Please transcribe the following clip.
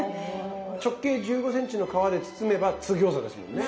直径１５ｃｍの皮で包めば津ぎょうざですもんね。